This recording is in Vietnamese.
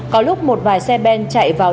có lúc một vài xe ben chạy vào